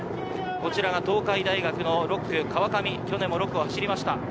こちらが東海大学の６区・川上、去年も６区を走りました。